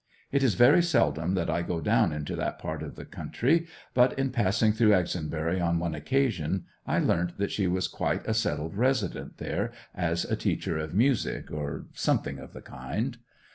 It is very seldom that I go down into that part of the country, but in passing through Exonbury, on one occasion, I learnt that she was quite a settled resident there, as a teacher of music, or something of the kind.